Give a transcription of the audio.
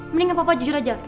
mendingan papa jujur aja